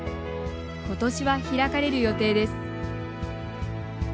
ことしは開かれる予定です。